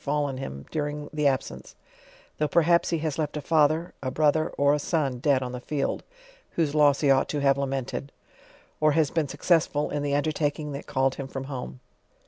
fallen him during the abscence, though perhaps ho has left a father, a brother, or a son dead on the field, (whose loss he ought to have lamented) or has been successful in the undertaking that called him from home.